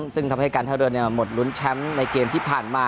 ซึ่งทำให้การท่าเรือหมดลุ้นแชมป์ในเกมที่ผ่านมา